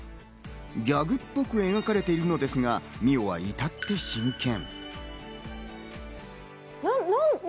ギャグっぽく描かれているのですが、美央は至って真剣。